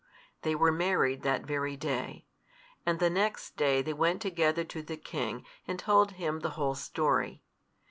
They were married that very day. And the next day they went together to the king, and told him the whole story.